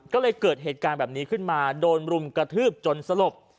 ก็เลยเกิดเหตุการณ์แบบนี้ขึ้นมาโดนรุมกระทืบจนสลบ